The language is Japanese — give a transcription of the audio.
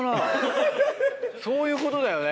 そういうことだよね。